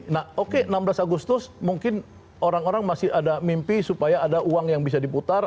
nah oke enam belas agustus mungkin orang orang masih ada mimpi supaya ada uang yang bisa diputar